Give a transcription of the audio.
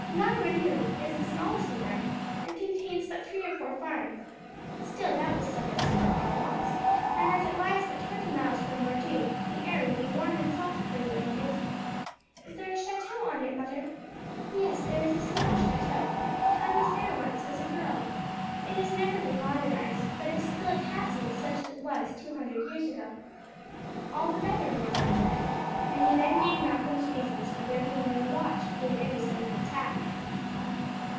La Grenouille is the smallest of them, and contains but three or four farms. Still that will suffice for our wants, and as it lies but twenty miles from Bordeaux the air will be warm and soft for you, Angus." "Is there a chateau on it, mother?" "Yes, there is a small chateau. I was there once as a girl. It has never been modernized, but is still a castle such as it was two hundred years ago." "All the better," Ronald said; and he then gave Malcolm's reasons for their being on the watch against any sudden attack.